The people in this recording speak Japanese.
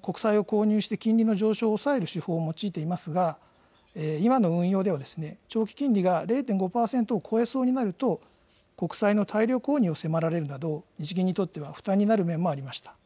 日銀は国債を購入して金利の上昇を抑える手法を用いていますが、今の運用では、長期金利が０．５％を超えそうになると、国債の大量購入を迫られるなど、日銀にとっては負担になる面もありました。